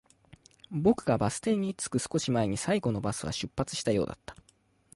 僕がバス停に着く少し前に、最後のバスは出発したようだった